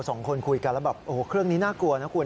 สองคนคุยกันแล้วแบบโอ้โหเครื่องนี้น่ากลัวนะคุณ